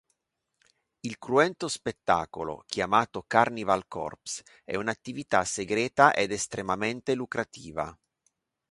Il cruento spettacolo chiamato Carnival Corpse è un'attività segreta ed estremamente lucrativa.